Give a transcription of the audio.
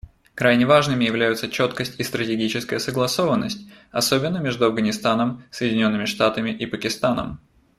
Крайне важными являются четкость и стратегическая согласованность, особенно между Афганистаном, Соединенными Штатами и Пакистаном.